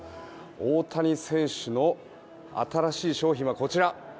大谷選手の新しい商品はこちら。